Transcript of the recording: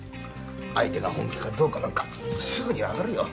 相手が本気かどうかなんかすぐにわかるよ。